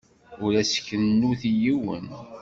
Ur as-kennut i yiwen.